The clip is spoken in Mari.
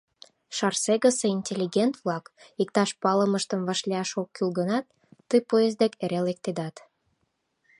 Шарсегысе интеллигент-влак, иктаж палымыштым вашлияш ок кӱл гынат, ты поезд дек эре лектедат.